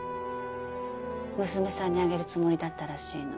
娘さんにあげるつもりだったらしいの。